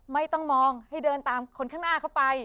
ไม่ต้องมองให้เดินตามคนข้างหน้าเข้าไป